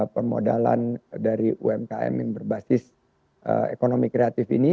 permodalan dari umkm yang berbasis ekonomi kreatif ini